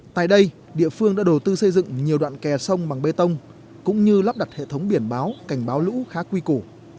tại đây địa phương đã đầu tư xây dựng nhiều đoạn kè sông bằng bê tông cũng như lắp đặt hệ thống biển báo cảnh báo lũ khá quy củ